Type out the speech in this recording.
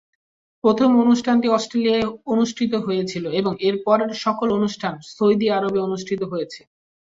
প্রথম অনুষ্ঠানটি অস্ট্রেলিয়ায় অনুষ্ঠিত হয়েছিল এবং এরপরের সকল অনুষ্ঠান সৌদি আরবে অনুষ্ঠিত হয়েছে।